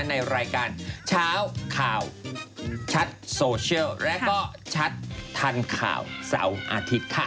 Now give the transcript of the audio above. ในรายการเช้าข่าวชัดโซเชียลและก็ชัดทันข่าวเสาร์อาทิตย์ค่ะ